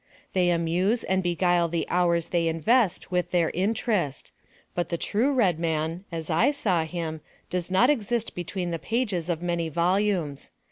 They amuse and beguile the hours they invest with 78 NARRATIVE OF CAPTIVITY their interest; but the true red man, as I saw him, does not exist between the pages of many volumes.